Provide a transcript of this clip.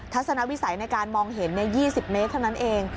ทศนวิสัยในการมองเห็น๒๐เมตรเท่านั้นเอง